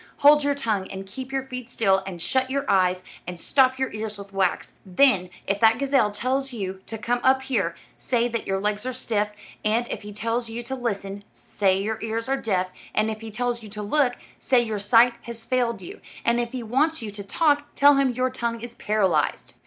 "Hold your tongue, and keep your feet still, and shut your eyes, and stop your ears with wax; then, if that gazelle tells you to come up here, say that your legs are stiff; and if he tells you to listen, say your ears are deaf; and if he tells you to look, say your sight has failed you; and if he wants you to talk, tell him your tongue is paralyzed."